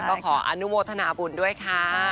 ก็ขออนุโมทนาบุญด้วยค่ะ